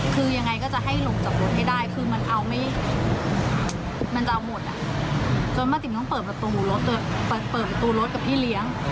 คือยังไงก็จะให้ลงจับรถให้ได้คือมันจะเอาหมดจนป้าติ๋มต้องเปิดประตูรถกับพี่เลี้ยง